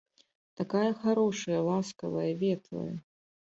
Такая харошая, ласкавая, ветлая.